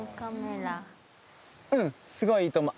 うんすごいいいと思う